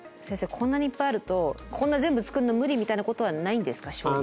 こんなにいっぱいあるとこんな全部作るの無理みたいなことはないんですか？